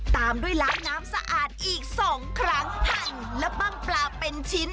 ตามด้วยล้างน้ำสะอาดอีกสองครั้งพันและปั้งปลาเป็นชิ้น